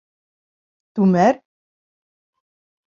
Түмәр!